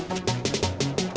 temennya turun tuh